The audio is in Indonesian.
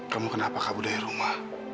kamu kenapa kabur dari rumah